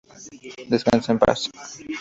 Descanse en Paz".